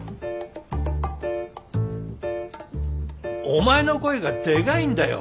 お前の声がでかいんだよ